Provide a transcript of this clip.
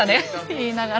言いながら。